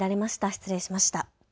失礼しました。